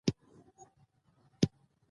سنگ مرمر د افغان ماشومانو د لوبو موضوع ده.